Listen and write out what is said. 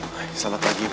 hai selamat pagi bu